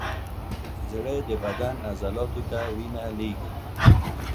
زړه د بدن عضلاتو ته وینه لیږي.